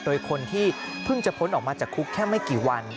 โดยคนที่เพิ่งจะพ้นออกมาจากคุกแค่ไม่กี่วัน